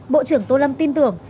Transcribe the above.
bộ trưởng tô lâm tin tưởng